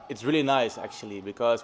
uống ăn rất đẹp